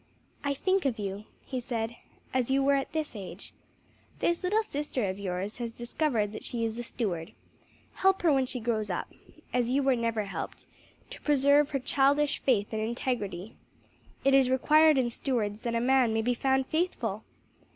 "I think of you," he said, "as you were at this age. This little sister of yours has discovered that she is a steward help her when she grows up, as you were never helped, to preserve her childish faith and integrity. It is required in stewards that a man may be found faithful!"